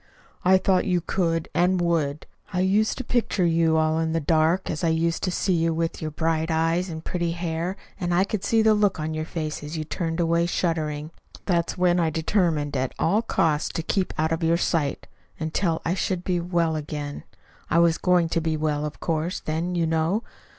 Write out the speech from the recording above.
"I thought you could and would. I used to picture you all in the dark, as I used to see you with your bright eyes and pretty hair, and I could see the look on your face as you turned away shuddering. That's when I determined at all costs to keep out of your sight until I should be well again. I was going to be well, of course, then, you know.